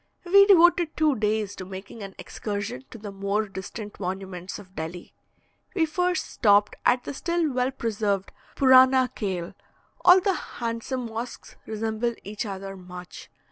We devoted two days to making an excursion to the more distant monuments of Delhi. We first stopped at the still well preserved "Purana Kale." All the handsome mosques resemble each other much.